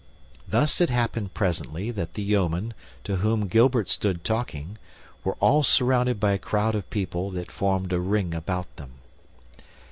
Thus it happened presently that the yeomen, to whom Gilbert stood talking, were all surrounded by a crowd of people that formed a ring about them.